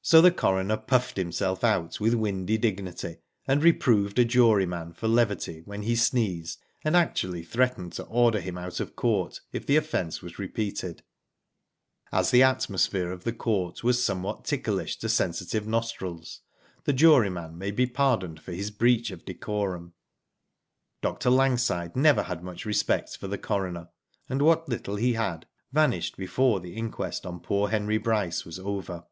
So the coroner puffed himself out with windy dignity, and reproved a juryman for levity when he sneezed, and actually threatened to order him out of court if the offence was repeated. As the atmosphere of the court was somewhat ticklish to sensitive nostrils, the juryman may be pardoned for his breach of decorum. Dr. Langside never had much respect for the coroner, and what little he had vanished before the inquest on poor Henry Bryce was over.